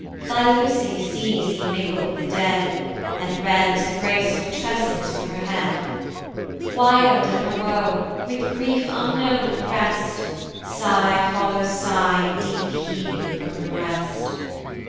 Thy Lucy sees thee mingle with the dead, And rends the graceful tresses from her head, Wild in her woe, with grief unknown opprest Sigh follows sigh deep heaving from her breast.